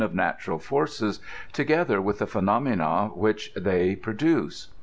^' 72 GOSMOSi natural forces, together mth the phenomena which they pro duce.